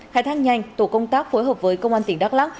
khai thác nhanh tổ công tác phối hợp với công an tỉnh đắk lắc